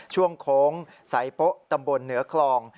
โค้งสายโป๊ะตำบลเหนือคลอง